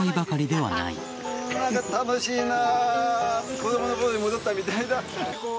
子供の頃に戻ったみたいだ。